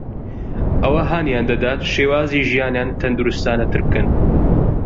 ئەوە هانیان دەدات شێوازی ژیانیان تەندروستانەتر بکەن